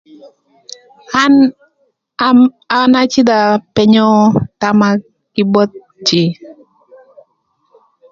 An acïdhö apenyo thama kï both jïï.